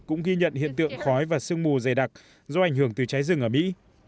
cũng ghi nhận hiện tượng khói và sương mù dày đặc do ảnh hưởng từ cháy rừng ở mỹ